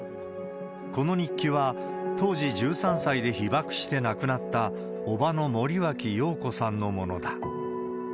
この日記は、当時１３歳で被爆して亡くなった、叔母の森脇瑤子さんのものだ。